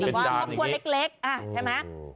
แต่ว่ามันควรเล็กใช่ไหม